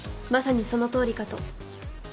まさにそのとおりかと。